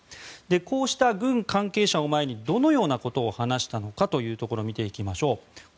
こうした軍関係者を前にどのようなことを話したのかというところ見ていきましょう。